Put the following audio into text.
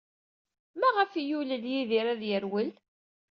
Maɣef ay yulel Yidir ad yerwel?